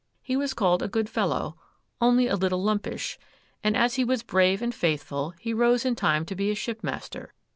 He was called a good fellow,—only a little lumpish,—and as he was brave and faithful, he rose in time to be a shipmaster.